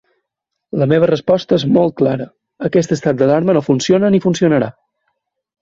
La meva resposta és molt clara: aquest estat d’alarma no funciona ni funcionarà.